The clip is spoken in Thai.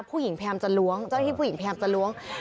ผู้หญิงพยายามจะล้วง